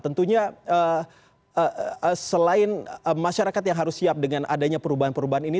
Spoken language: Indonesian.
tentunya selain masyarakat yang harus siap dengan adanya perubahan perubahan ini